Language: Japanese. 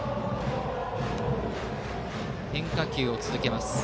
変化球を続けます。